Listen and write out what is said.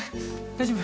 大丈夫？